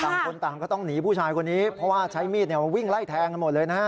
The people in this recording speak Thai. คนต่างก็ต้องหนีผู้ชายคนนี้เพราะว่าใช้มีดวิ่งไล่แทงกันหมดเลยนะฮะ